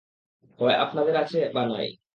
হয় আপনাদের আছে, বা নাই।